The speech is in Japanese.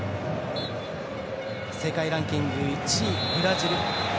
世界ランキング１位、ブラジル。